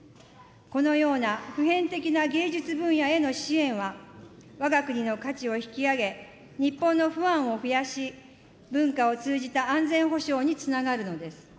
このような普遍的な芸術分野への支援は、わが国の価値を引き上げ、日本のファンを増やし、文化を通じた安全保障につながるのです。